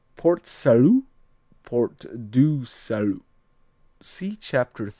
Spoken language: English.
Port Salut, Port du Salut see Chapter 3.